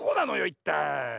いったい。